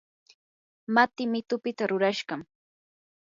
matii mitupita rurashqam.